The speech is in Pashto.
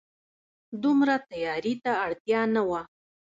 دومره تياري ته اړتيا نه وه